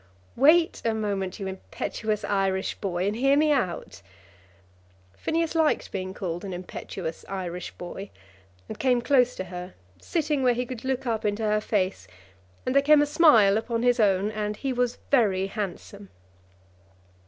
"Wait a moment, you impetuous Irish boy, and hear me out." Phineas liked being called an impetuous Irish boy, and came close to her, sitting where he could look up into her face; and there came a smile upon his own, and he was very handsome.